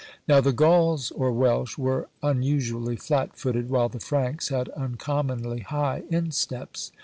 Now the Gauls or Welsh were unusually fiat footed, while the Franks had uncommonly high insteps.